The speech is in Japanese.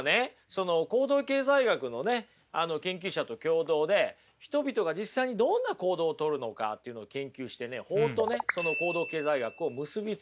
その行動経済学のね研究者と共同で人々が実際にどんな行動をとるのかというのを研究してね法とねその行動経済学を結び付けました。